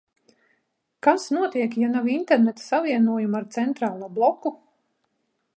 Kas notiek, ja nav interneta savienojuma ar centrālo bloku?